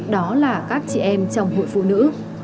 đó là các chị em trong hội phụ nữ